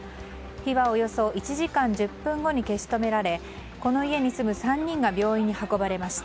火はおよそ１時間１０分後に消し止められこの家に住む３人が病院に運ばれました。